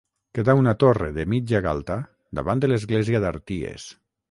Queda una torre de mitja galta davant de l'església d'Arties.